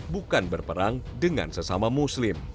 bukan berperang dengan sesama muslim